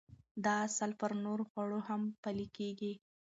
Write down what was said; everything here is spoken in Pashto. دا اصل پر نورو خوړو هم پلي کېږي.